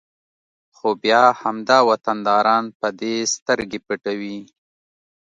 خو بیا همدا وطنداران په دې سترګې پټوي